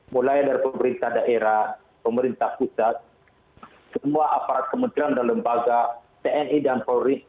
mulai dari pemerintah daerah pemerintah pusat semua aparat kementerian dan lembaga tni dan polri